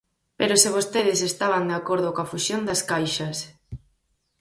¡Pero se vostedes estaban de acordo coa fusión das caixas!